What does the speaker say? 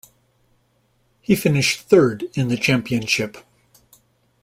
He finished third in the championship.